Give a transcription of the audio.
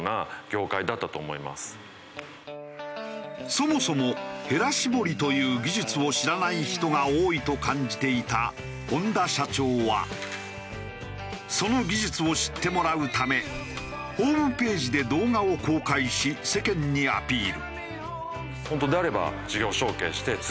そもそもへら絞りという技術を知らない人が多いと感じていた本多社長はその技術を知ってもらうためホームページで動画を公開し世間にアピール。